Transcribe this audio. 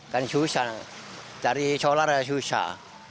kan susah cari solar ya susah